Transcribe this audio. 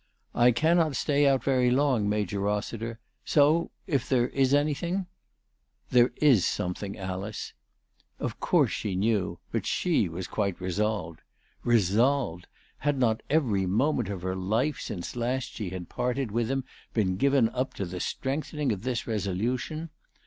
"I cannot stay out very long, Major Rossiter ; so, if there is any thing ?" There is a something, Alice." Of course she knew, but she was quite resolved. Resolved ! Had not every moment of her life since last she had parted with him been given up to the strengthening^^ this resolution